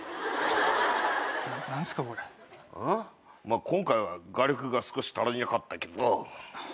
まあ今回は画力が少し足りなかったけど。